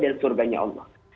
dan surganya allah